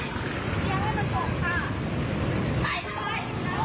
กลับมาเล่าให้ฟังครับ